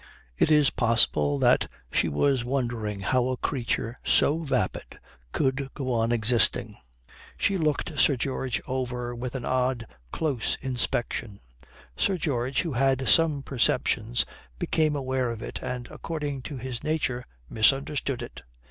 It is possible that she was wondering how a creature so vapid could go on existing. She looked Sir George over with an odd, close inspection. Sir George, who had some perceptions, became aware of it and according to his nature misunderstood it.